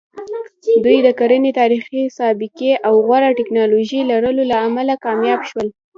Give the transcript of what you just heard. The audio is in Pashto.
دوی د کرنې تاریخي سابقې او غوره ټکنالوژۍ لرلو له امله کامیاب شول.